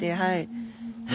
はい。